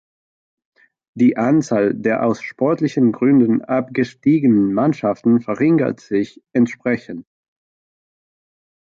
Die Anzahl der aus sportlichen Gründen abgestiegenen Mannschaften verringert sich entsprechend.